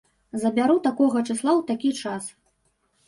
Забяру такога чысла ў такі час.